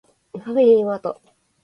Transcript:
ファミリーマート